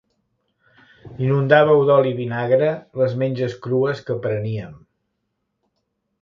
Inundàveu d'oli i vinagre les menges crues que preníem.